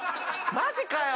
マジかよ。